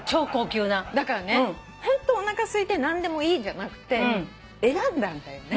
だからねおなかすいて何でもいいじゃなくて選んだんだよね。